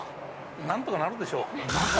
何とかなるでしょう。